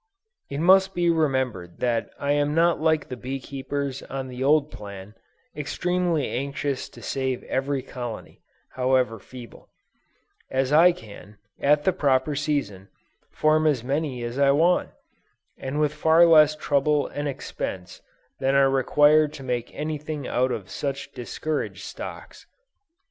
It must be remembered that I am not like the bee keepers on the old plan, extremely anxious to save every colony, however feeble: as I can, at the proper season, form as many as I want, and with far less trouble and expense than are required to make anything out of such discouraged stocks.